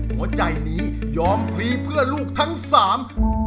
หัวใจนี้ยอมพลีเพื่อลูกทั้งสาม